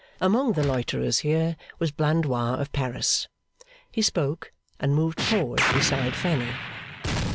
Among the loiterers here, was Blandois of Paris. He spoke, and moved forward beside Fanny.